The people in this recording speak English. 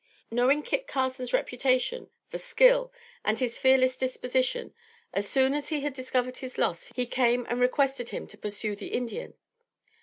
Knowing Kit Carson's reputation for skill and his fearless disposition, as soon as he had discovered his loss, he came and requested him to pursue the Indian.